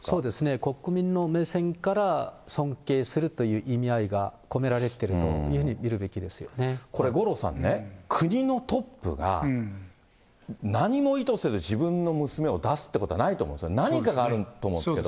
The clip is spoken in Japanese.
国民の目線から尊敬するという意味合いが込められているというふこれ、五郎さんね、国のトップが何も意図せず自分の娘を出すってことはないと思うんですよ、何かがあると思うんですけど。